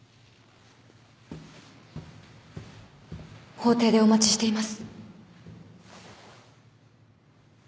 法廷でお待ちしています。